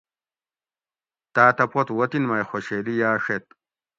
تاتہ پت وطن مئی خوشیلی یاڛیت